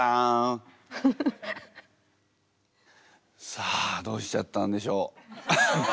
さあどうしちゃったんでしょう。